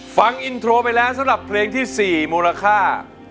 ฟังอินโทรไปแล้วสำหรับเพลงที่๔มูลค่า